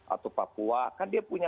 atau papua kan dia punya